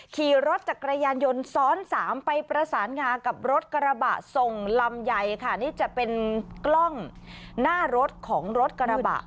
ขี่รถจักรยานยนต์ซ้อนสามไปประสานงากับรถกระบะส่งลำไยค่ะนี่จะเป็นกล้องหน้ารถของรถกระบะ